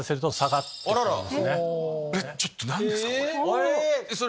ちょっと何ですか⁉これ。